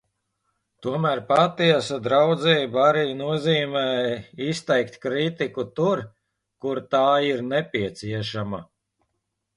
Tomēr patiesa draudzība arī nozīmē izteikt kritiku tur, kur tā ir nepieciešama.